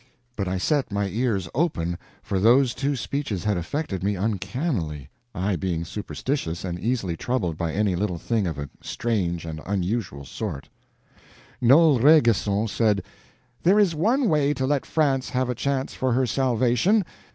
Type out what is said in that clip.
But I set my ears open, for those two speeches had affected me uncannily, I being superstitious and easily troubled by any little thing of a strange and unusual sort. Noel Rainguesson said: "There is one way to let France have a chance for her salvation.